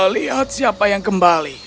lihat siapa yang kembali